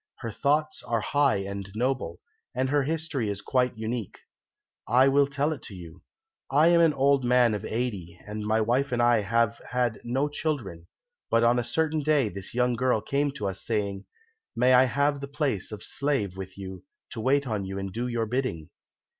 Her thoughts are high and noble, and her history is quite unique. I will tell it to you. I am an old man of eighty, and my wife and I have had no children, but on a certain day this young girl came to us saying, "May I have the place of slave with you, to wait on you and do your bidding?"